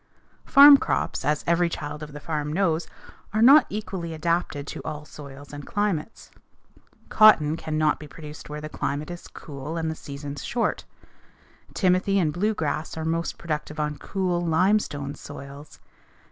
_ Farm crops, as every child of the farm knows, are not equally adapted to all soils and climates. Cotton cannot be produced where the climate is cool and the seasons short. Timothy and blue grass are most productive on cool, limestone soils.